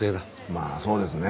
まあそうですね。